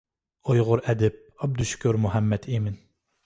ئۇيغۇر ئەدىب ئابدۇشۈكۈر مۇھەممەتئىمىن.